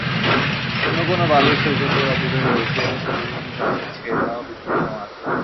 কোনো কোনো বালুর সৈকতের অদূরে রয়েছে সবুজ ঘাসে ছেয়ে যাওয়া বিস্তীর্ণ মাঠ।